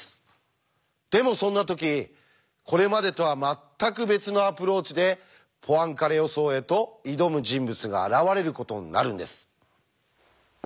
でもそんな時これまでとは全く別のアプローチでポアンカレ予想へと挑む人物が現れることになるんです。